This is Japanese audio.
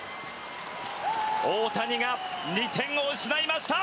大谷が２点を失いました。